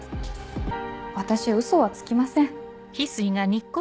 私ウソはつきません。